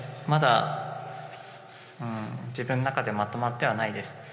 まだ、自分の中でまとまってはないです。